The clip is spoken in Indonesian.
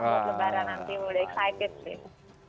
nanti lebaran nanti udah excited sih